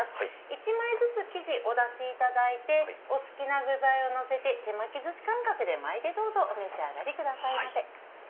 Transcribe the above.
１枚ずつ生地お出しいただいてお好きな具材をのせて手巻き寿司感覚で巻いてどうぞお召し上がりください。